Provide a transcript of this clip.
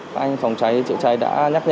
các anh phòng chạy chạy chạy đã nhắc nhở